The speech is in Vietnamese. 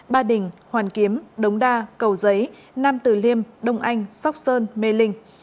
ba đình hoàn kiếm đống đa cầu giấy nam tử liêm đông anh sóc sơn mê linh